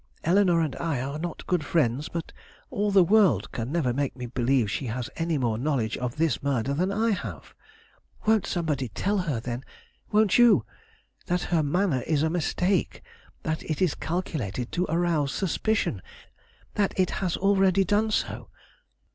Eleanore and I are not good friends; but all the world can never make me believe she has any more knowledge of this murder than I have. Won't somebody tell her, then won't you that her manner is a mistake; that it is calculated to arouse suspicion; that it has already done so?